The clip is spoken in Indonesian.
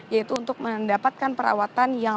yaitu untuk mendapatkan perawatan